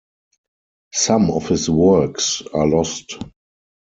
Some of his works are lost.